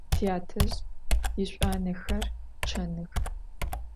Tyatezj yiş'uanexer çanıx.